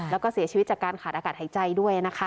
แล้วก็เสียชีวิตจากการขาดอากาศหายใจด้วยนะคะ